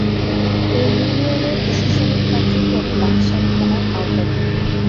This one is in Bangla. এ ইউনিয়নের প্রশাসনিক কার্যক্রম লাকসাম থানার আওতাধীন।